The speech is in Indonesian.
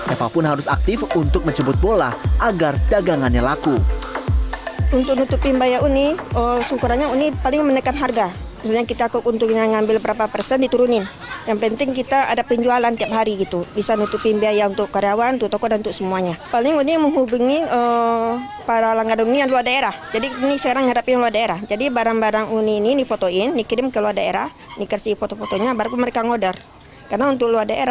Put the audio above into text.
eva pun harus aktif untuk menjemput bola agar dagangannya laku